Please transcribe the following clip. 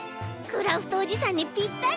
クラフトおじさんにぴったり！